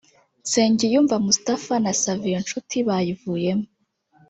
Nsengiyumva Mustapha na Savio Nshuti bayivuyemo